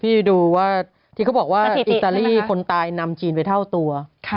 ดูว่าที่เขาบอกว่าอิตาลีคนตายนำจีนไปเท่าตัว